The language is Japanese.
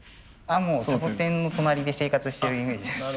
もうサボテンの隣で生活してるイメージです。